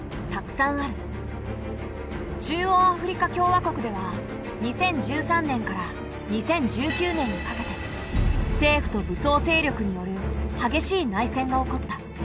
中央アフリカ共和国では２０１３年から２０１９年にかけて政府と武装勢力による激しい内戦が起こった。